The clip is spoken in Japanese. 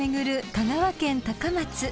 香川県高松］